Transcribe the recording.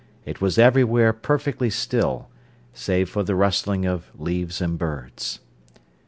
It was everywhere perfectly stiff, save for the rustling of leaves and birds.